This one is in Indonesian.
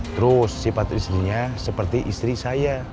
terus sifat istrinya seperti istri saya